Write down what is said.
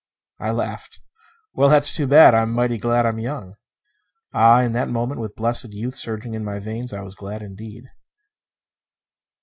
I laughed. "Well, that's too bad. I'm mighty glad I'm young." Ah, in that moment, with blessed youth surging in my veins, I was glad indeed!